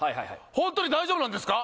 ホントに大丈夫なんですか？